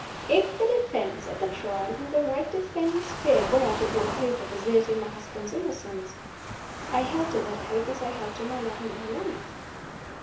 If the Defense at the Trial were the right defense, farewell to all hope of asserting my husband's innocence. I held to that hope as I held to my love and my life.